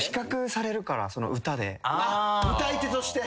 歌い手として？